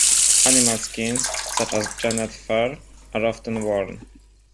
Animal skins, such as Genet fur, are often worn.